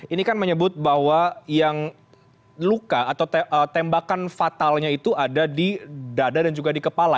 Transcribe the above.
ini kan menyebut bahwa yang luka atau tembakan fatalnya itu ada di dada dan juga di kepala